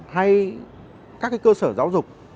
hay các cơ sở giáo dục